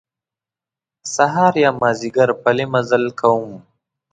سهار یا مازیګر پلی مزل کوم.